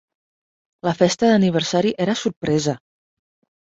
La festa d'aniversari era sorpresa.